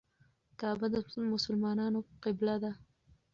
کعبه د مسلمانانو قبله ده.